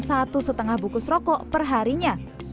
satu setengah bukus rokok perharinya